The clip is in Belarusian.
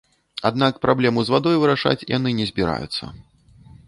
Аднак праблему з вадой вырашаць яны не збіраюцца.